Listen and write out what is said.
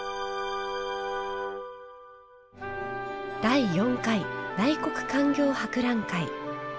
「第４回内国勧業博覧会」。